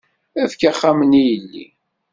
Efk axxam-nni i yelli.